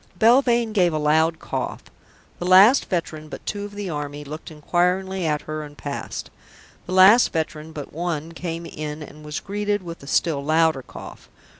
Belvane gave a loud cough. The last veteran but two of the Army looked inquiringly at her and passed. The last veteran but one came in and was greeted with a still louder cough.